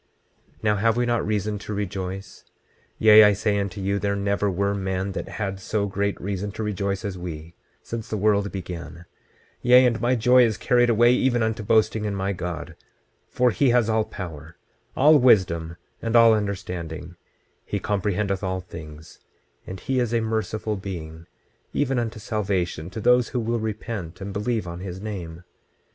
26:35 Now have we not reason to rejoice? Yea, I say unto you, there never were men that had so great reason to rejoice as we, since the world began; yea, and my joy is carried away, even unto boasting in my God; for he has all power, all wisdom, and all understanding; he comprehendeth all things, and he is a merciful Being, even unto salvation, to those who will repent and believe on his name.